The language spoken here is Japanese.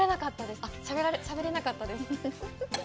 しゃべれなかったです。